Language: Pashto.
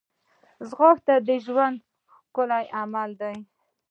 ځغاسته د ژوند ښکلی عمل دی